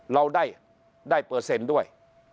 เราได้ได้เปิดเซ็นด้วย